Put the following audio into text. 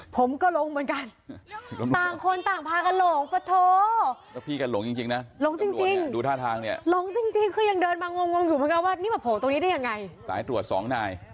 ผมก็หลง